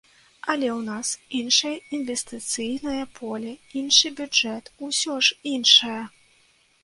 Але ў нас іншае інвестыцыйнае поле, іншы бюджэт, усё ж іншае!